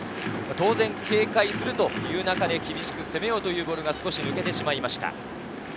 当然、警戒するという中で厳しく攻めようというボールが少し抜けてしまいました。